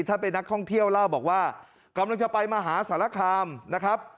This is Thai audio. ถ้าเป็นนักท่องเที่ยวเล่าบอกว่ากำลังจะไปมหาสารคามนะครับ